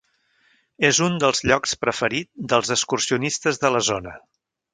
És un dels llocs preferit dels excursionistes de la zona.